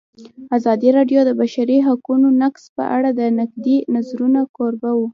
ازادي راډیو د د بشري حقونو نقض په اړه د نقدي نظرونو کوربه وه.